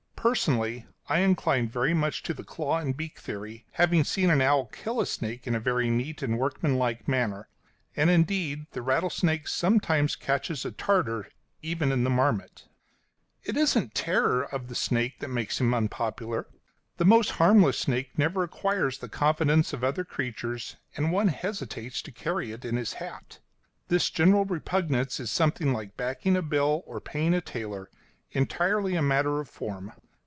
Personally, I incline very much to the claw and beak theory, having seen an owl kill a snake in a very neat and workmanlike manner; and, indeed, the rattlesnake sometimes catches a Tartar even in the marmot. [Illustration: WRITTER.] [Illustration: IN POSSESSION.] It isn't terror of the snake that makes him unpopular; the most harmless snake never acquires the confidence of other creatures; and one hesitates to carry it in his hat. This general repugnance is something like backing a bill or paying a tailor entirely a matter of form.